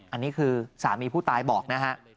อันนี้คือสามีผู้ตายบอกนะฮะ